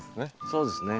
そうですね。